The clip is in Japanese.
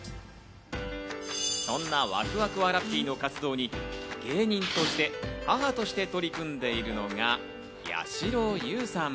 そんな、わくわくわらっぴーの活動に芸人として、母として取り組んでいるのがやしろ優さん。